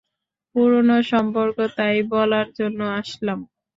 পুরনো সম্পর্ক, তাই বলার জন্য আসলাম।